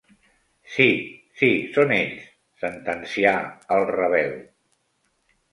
Sí, sí, són ells —sentencià el Ravel—.